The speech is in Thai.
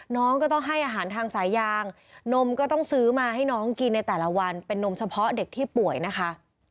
น้องก็ต้องให้อาหารทางสายยางนมก็ต้องซื้อมาให้น้องกินในแต่ละวันเป็นนมเฉพาะเด็กที่ป่วยนะคะ